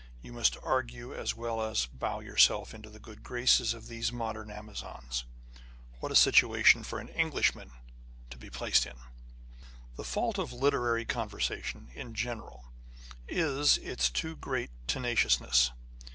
You must argue as well as bow yourself into the good graces of these modern amazons. What a situation for an Englishman to be placed in ! l The fault of literary conversation in general is its too great tenaciousness.